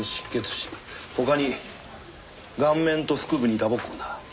他に顔面と腹部に打撲痕だ。